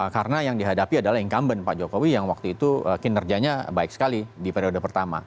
karena yang dihadapi adalah incumbent pak jokowi yang waktu itu kinerjanya baik sekali di periode pertama